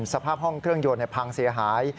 สภาพห้องเครื่องยนต์พังเสียหาย